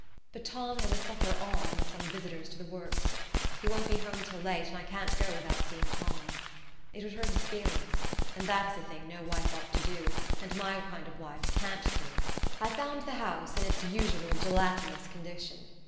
But Tom has a supper "on" with some visitors to the Works. He won't be home till late, and I can't go without seeing Tom. It would hurt his feelings, and that is a thing no wife ought to do, and my kind of wife can't do. I found the house in its usual gelatinous condition.